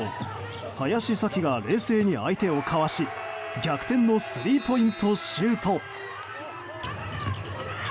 林咲希が冷静に相手をかわし逆転のスリーポイントシュート。